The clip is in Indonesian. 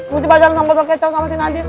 gue cip pacaran sama botol kecap sama si nadir